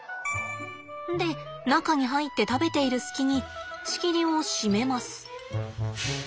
で中に入って食べている隙に仕切りを閉めます。